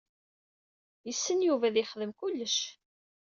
Yessen Yuba ad yexdem kullec.